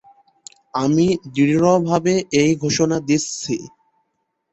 আমি দৃঢ়ভাবে এই ঘোষণা দিচ্ছি।